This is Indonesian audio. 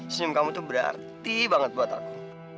senyum kamu itu berarti banget buat aku